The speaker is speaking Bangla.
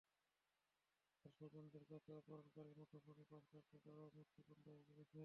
তাঁর স্বজনদের কাছে অপহরণকারীরা মুঠোফোনে পাঁচ লাখ টাকা মুক্তিপণ দাবি করেছে।